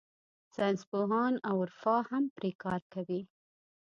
ساینسپوهان او عرفا هم پرې کار کوي.